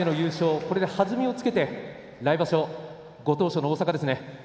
これで弾みをつけて来場所、ご当所大阪ですね。